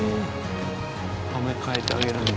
はめ替えてあげるんだ。